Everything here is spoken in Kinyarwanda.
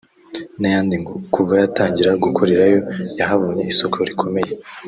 n’ayandi ngo kuva yatangira gukorera yo yahabonye isoko rikomeye